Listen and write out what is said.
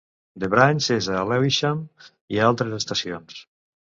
The Branch és a Lewisham i a altres estacions.